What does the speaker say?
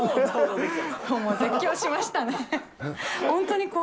本当に。